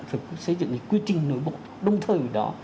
là phải xây dựng những quy trình nối bộ đồng thời với đó